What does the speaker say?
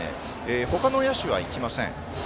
他の野手は行きません。